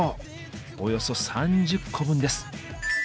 およそ３０個分です。